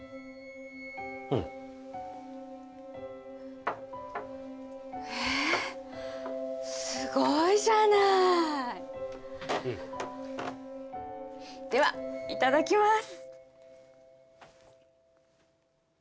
うんえっすごいじゃないうんではいただきます